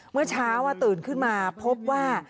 เมื่อเช้าตื่นขึ้นมาพบว่า